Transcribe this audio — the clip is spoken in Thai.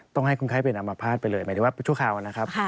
ต้องให้คนไข้เป็นอัมพาตไปเลยหมายถึงว่าชั่วคราวนะครับ